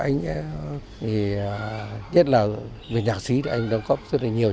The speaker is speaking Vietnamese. nhất là về nhạc sĩ anh đóng góp rất là nhiều